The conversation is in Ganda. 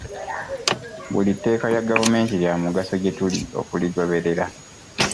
Buli tteeka lya gavumenti lya mugaso gye tuli okuligoberera.